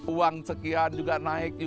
uang sekian juga naik